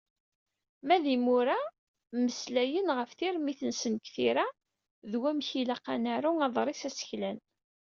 Ma d imura mmeslayen ɣef tirmit-nsen deg tira, d wamek i ilaq ad naru aḍris aseklan.